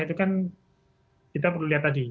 itu kan kita perlu lihat tadi